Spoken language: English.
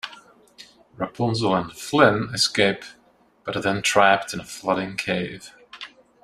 Rapunzel and Flynn escape but are then trapped in a flooding cave.